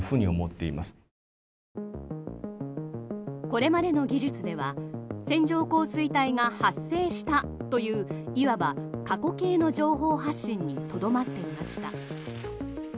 これまでの技術では線状降水帯が発生したといういわば過去形の情報発信にとどまっていました。